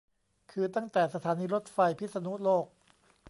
คือตั้งแต่สถานีรถไฟพิษณุโลก